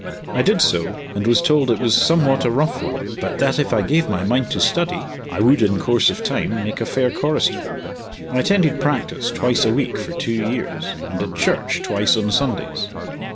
I did so, and was told it was somewhat a rough one, but that if I gave my mind to study, I would, in course of time, make a fair chorister. I attended practice twice a week for two years, and at church twice on Sundays.